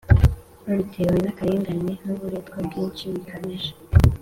Babitewe n’akarengane n’uburetwa bwinshi bikabije.